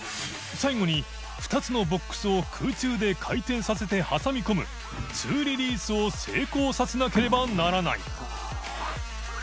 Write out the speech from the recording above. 禳埜紊２つのボックスを空中で回転させて挟み込む２リリース」を成功させなければならない磴